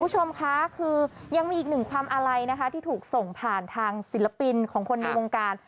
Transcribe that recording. คุณผู้ชมคะคือยังมีอีกหนึ่งความอาลัยนะคะที่ถูกส่งผ่านทางศิลปินของคนในวงการ